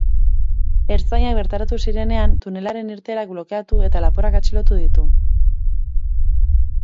Ertzainak bertaratu zirenean, tunelaren irteerak blokeatu eta lapurrak atxilotu ditu.